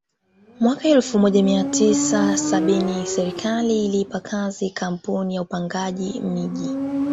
Mwaka elfu moja mia tisa sabini serikali iliipa kazi kampuni ya upangaji miji